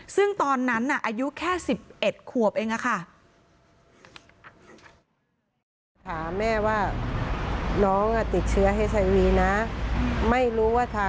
ซึ่งตอนนั้นอายุแค่๑๑ขวบเองค่ะ